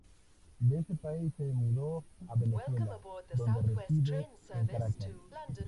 De ese país se mudó a Venezuela, donde reside en Caracas.